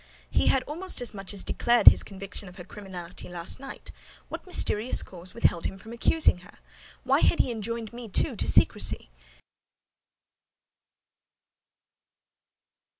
He had almost as much as declared his conviction of her criminality last night: what mysterious cause withheld him from accusing her? Why had he enjoined me, too, to secrecy?